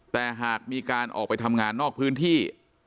แต่หากมีการออกไปทำงานนอกพื้นที่